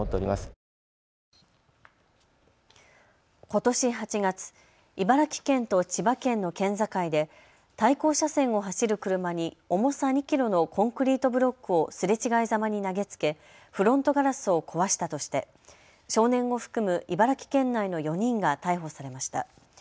ことし８月、茨城県と千葉県の県境で対向車線を走る車に重さ２キロのコンクリートブロックをすれ違いざまに投げつけフロントガラスを壊したとして少年を含む茨城県内の４人が逮捕されました。